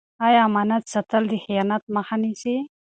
آیا امانت ساتل د خیانت مخه نیسي؟